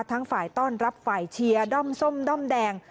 ฝ่ายต้อนรับฝ่ายเชียร์ด้อมส้มด้อมแดง